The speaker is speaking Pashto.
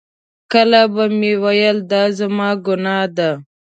کله به مې ویل دا زما ګناه نه ده.